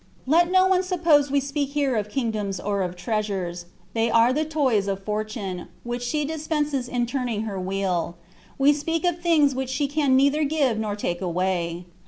Let no one suppose we speak here of kingdoms or of treasures; they are the toys of Fortune, which she dispenses in turning her wheel; we speak of things which she can neither give nor take away.